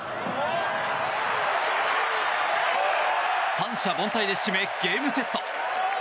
三者凡退で締め、ゲームセット。